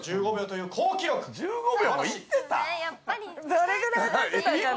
どれぐらい上がってたかな？